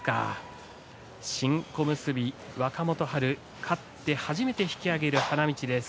新小結若元春勝って初めて引き揚げる花道です。